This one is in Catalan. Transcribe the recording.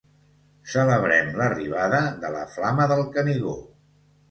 Celebrem l'arribada de la flama del Canigó